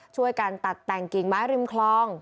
ช่วยกันตัดแต่งกิ่งไม้ริมคลอง